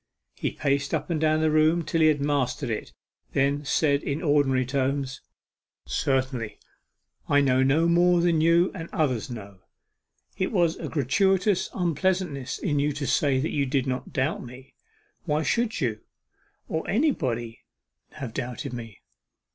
He paced up and down the room till he had mastered it; then said in ordinary tones 'Certainly, I know no more than you and others know it was a gratuitous unpleasantness in you to say you did not doubt me. Why should you, or anybody, have doubted me?